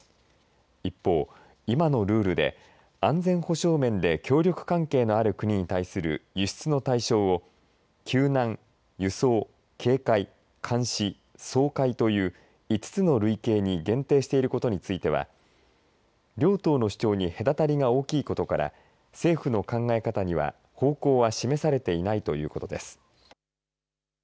一方、今のルールで安全保障面で協力関係のある国に対する輸出の対象を救難、輸送、警戒監視、掃海という５つの類型に限定していることについては両党の主張に隔たりが大きいことから政府の考え方には方向性は示されていないということです。